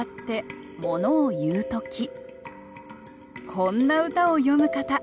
こんな歌を詠む方。